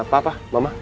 pak pak mama